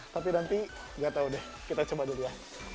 tapi nanti enggak tahu deh kita coba dulu ya